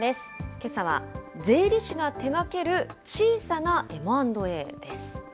けさは、税理士が手がける小さなＭ＆Ａです。